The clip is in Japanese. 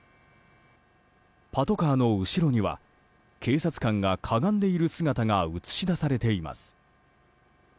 パトカーの後ろには警察官がかがんでいる姿が映し出されています。